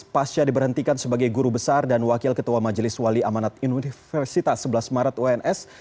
pasca diberhentikan sebagai guru besar dan wakil ketua majelis wali amanat universitas sebelas maret uns